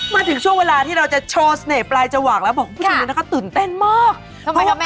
มาถึงช่วงเวลาที่เราจะโชว์ในปลายจวากแล้วบอกคุณเลยนะคะตื่นเต้นมากทำไมครับแม่